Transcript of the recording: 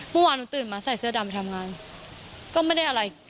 เมื่อวานหนูตื่นมาใส่เสื้อดำทำงานก็ไม่ได้อะไร